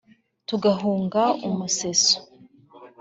tugahunga umuseso